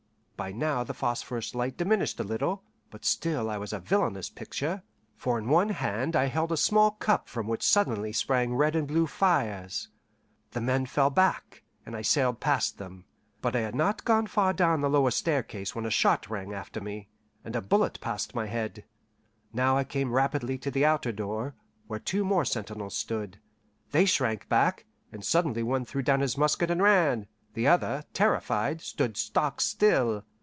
By now the phosphorus light diminished a little, but still I was a villainous picture, for in one hand I held a small cup from which suddenly sprang red and blue fires. The men fell back, and I sailed past them, but I had not gone far down the lower staircase when a shot rang after me, and a bullet passed by my head. Now I came rapidly to the outer door, where two more sentinels stood. They shrank back, and suddenly one threw down his musket and ran; the other, terrified, stood stock still.